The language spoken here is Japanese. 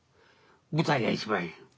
舞台が一番や。